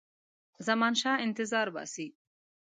زمانشاه انتظار باسي.